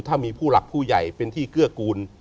ถ้ามีผู้หลักผู้ใหญ่เป็นที่เกื้อกูล